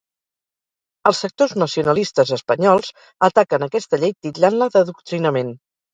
Els sectors nacionalistes espanyols ataquen aquesta llei titllant-la d'adoctrinament.